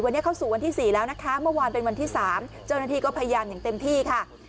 วันนี้เข้าสู่วันที่๔แล้วนะคะเมื่อวานเป็นวันที่๓เจ้าหน้าที่ก็พยายามอย่างเต็มที่ค่ะ